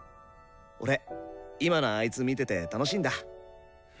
俺今のあいつ見てて楽しいんだ。